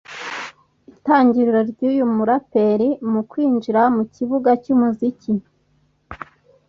Itangiriro ry’uyu muraperi mu kwinjira mu kibuga cy’umuziki